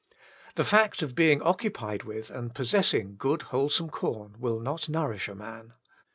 The fact of being occupied with, and possessing good wholesome corn, will not nourish a man.